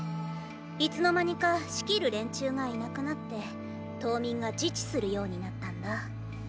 いつの間にか仕切る連中がいなくなって島民が自治するようになったんだ。